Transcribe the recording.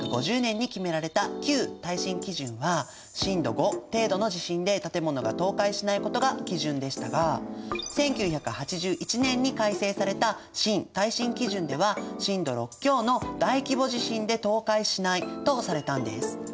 １９５０年に決められた旧耐震基準は震度５程度の地震で建物が倒壊しないことが基準でしたが１９８１年に改正された新耐震基準では震度６強の大規模地震で倒壊しないとされたんです。